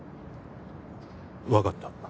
分かった